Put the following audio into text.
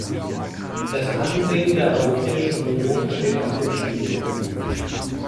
Das Ansehen der Europäischen Union steht auf dem Spiel.